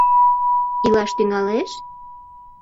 — Илаш тӱҥалеш?..